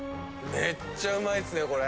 めっちゃうまいっすねこれ。